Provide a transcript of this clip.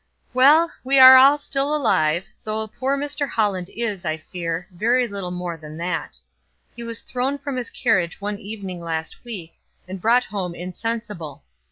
"Well, we are all still alive, though poor Mr. Holland is, I fear, very little more than that. He was thrown from his carriage one evening last week, and brought home insensible.